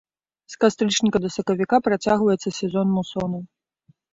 З кастрычніка да сакавіка працягваецца сезон мусонаў.